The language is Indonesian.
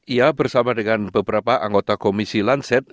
ia bersama dengan beberapa anggota komisi lanset